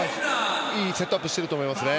いいセットアップしてると思いますね。